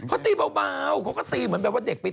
เขาตีเบาเขาก็ตีเหมือนเป็นเด็กไปตี